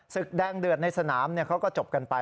แดงเดือดในสนามเขาก็จบกันไป